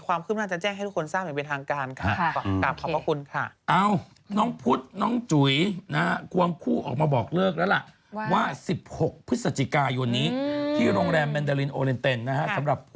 ข่าวพี่อ๊อฟขี้หนักเนี่ยนางเอกไปแย่งขัวเขาเนี่ยขัน